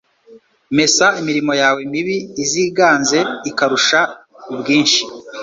Mesa imirimo yawe mibi Iziganze ikarusha ubwinshi